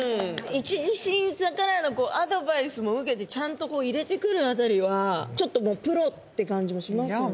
一次審査からのアドバイスも受けてちゃんと入れてくる辺りはちょっともうプロって感じもしますよね。